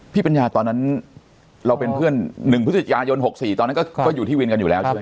ปัญญาตอนนั้นเราเป็นเพื่อน๑พฤศจิกายน๖๔ตอนนั้นก็อยู่ที่วินกันอยู่แล้วใช่ไหม